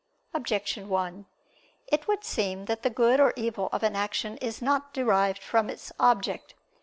Objection 1: It would seem that the good or evil of an action is not derived from its object.